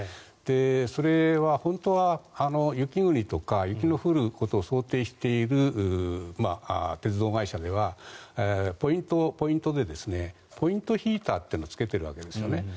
それは本当は雪国とか雪の降ることを想定している鉄道会社ではポイント、ポイントでポイントヒーターというのをつけているわけですよね。